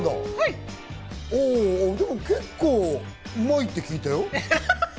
でもうまいって聞いたよ。